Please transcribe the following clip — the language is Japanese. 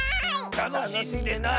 たのしんでない！